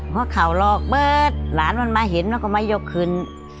เพราะเขาหลอกเปิดหลานมันมาเห็นแล้วก็มายกขึ้น